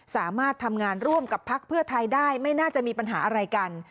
สามารถทำงานร่วมกับพักเพื่อไทยได้ไม่น่าจะมีปัญหาอะไรกัน